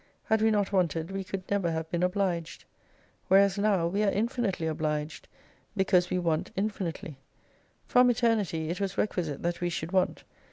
Had we not wanted we could never have been obliged. Whereas now we are infinitely obliged, be 34 cause we want infinitely. From Eternity it was requisite that we should want.